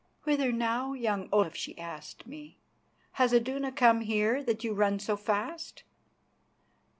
"Whither now, young Olaf?" she asked me. "Has Iduna come here that you run so fast?"